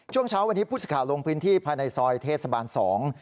ช่วงเช้าวันนี้พุศิษฐาลงพื้นที่ภายในซอยเทศสะบาน๒